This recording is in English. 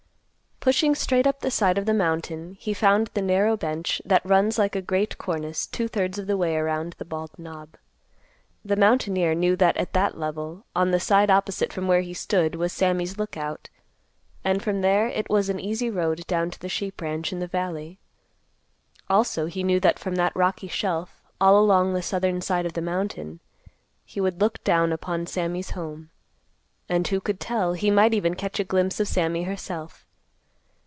Pushing straight up the side of the mountain, he found the narrow bench, that runs like a great cornice two thirds of the way around the Bald Knob. The mountaineer knew that at that level, on the side opposite from where he stood, was Sammy's Lookout, and from there it was an easy road down to the sheep ranch in the valley. Also, he knew that from that rocky shelf, all along the southern side of the mountain, he would look down upon Sammy's home; and, who could tell, he might even catch a glimpse of Sammy herself.